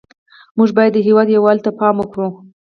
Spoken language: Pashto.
موږ باید د هېواد یووالي ته پام وکړو